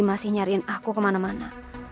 masih nyariin aku kemana mana